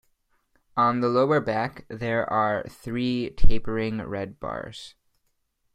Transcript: On the lower back there are three tapering red bars.